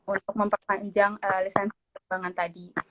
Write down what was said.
untuk memperpanjang lesensi pertumbangan tadi